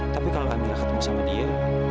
tapi kalau andre ketemu sama dia